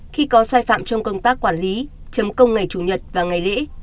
khi có sai phạm trong công tác quản lý chấm công ngày chủ nhật và ngày lễ